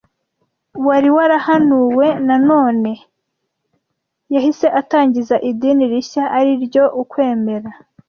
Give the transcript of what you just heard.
wari warahanuwe Nanone yahise atangiza idini rishya, ari ryo ukwemera